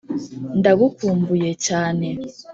ndagukumbuye cyane.